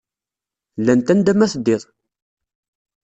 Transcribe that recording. Llant anda ma teddid!